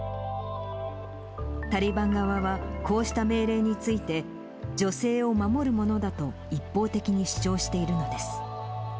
タリバン側は、こうした命令について、女性を守るものだと一方的に主張しているのです。